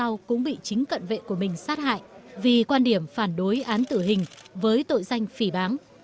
lâu sau cũng bị chính cận vệ của mình sát hại vì quan điểm phản đối án tử hình với tội danh phỉ bám